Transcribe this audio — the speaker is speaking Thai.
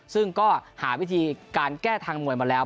ซึ่งก็หาวิธีการแก้ทางมวยมาแล้ว